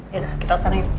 yaudah kita kesana yuk